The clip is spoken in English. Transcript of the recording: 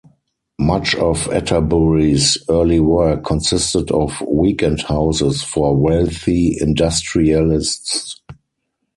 Much of Atterbury's early work consisted of weekend houses for wealthy industrialists.